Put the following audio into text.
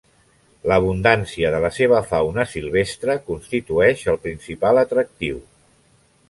L'abundància de la seva fauna silvestre constitueix el principal atractiu.